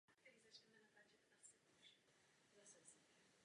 Dalším problémem je otázka odlivu mozků, která představuje důležité hledisko.